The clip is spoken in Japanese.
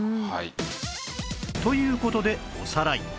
という事でおさらい